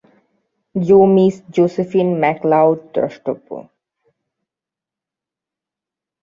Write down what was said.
জো Miss Josephine MacLeod দ্রষ্টব্য।